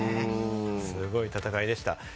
すごい戦いでした。